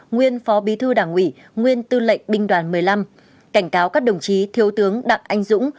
nguyên phó bí thư đảng ủy nguyên tư lệnh binh đoàn một mươi năm cảnh cáo các đồng chí thiếu tướng đặng anh dũng